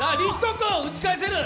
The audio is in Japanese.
君、打ち返せる？